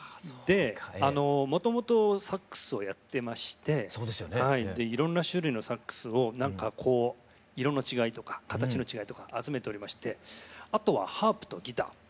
でもともとサックスをやってましていろんな種類のサックスをなんかこう色の違いとか形の違いとか集めておりましてあとはハープとギター。